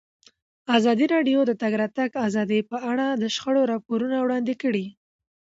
ازادي راډیو د د تګ راتګ ازادي په اړه د شخړو راپورونه وړاندې کړي.